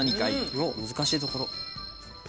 おっ難しいところ。